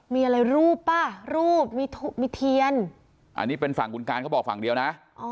มีอะไรรูปป่ะรูปมีเทียนอันนี้เป็นฝั่งคุณการเขาบอกฝั่งเดียวนะ